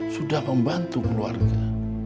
sudah membantu keluarga